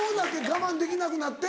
我慢できなくなって？